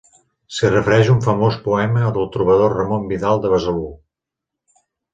S'hi refereix un famós poema del trobador Ramon Vidal de Besalú.